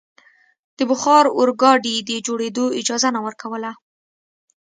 د بخار اورګاډي د جوړېدو اجازه نه ورکوله.